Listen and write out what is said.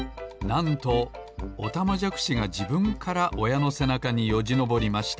なんとオタマジャクシがじぶんからおやのせなかによじのぼりました。